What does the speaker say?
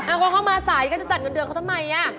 เพราะเขามาสายก็จะจัดเงินเดือนเขาทำไมอ่ะ